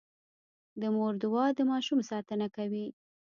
د مور دعا د ماشوم ساتنه کوي.